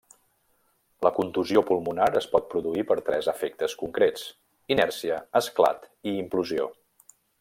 La contusió pulmonar es pot produir per tres efectes concrets, inèrcia, esclat, i implosió.